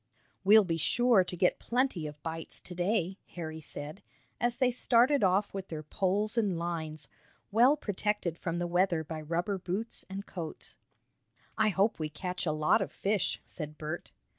"We'll be sure to get plenty of bites to day," Harry said, as they started off with their poles and lines, well protected from the weather by rubber boots and coats. "I hope we catch a lot of fish," said Bert.